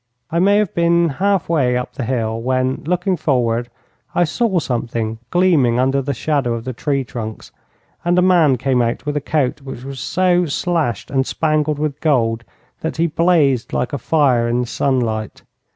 I may have been half way up the hill when, looking forward, I saw something gleaming under the shadow of the tree trunks, and a man came out with a coat which was so slashed and spangled with gold that he blazed like a fire in the sunlight.